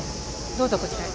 どうぞこちらへ。